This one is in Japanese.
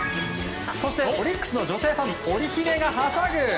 そして、オリックスの女性ファンオリ姫がはしゃぐ。